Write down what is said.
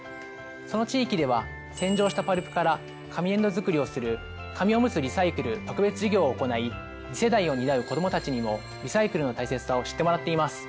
その地域では洗浄したパルプから紙粘土作りをする紙おむつリサイクル特別授業を行い次世代を担う子どもたちにもリサイクルの大切さを知ってもらっています。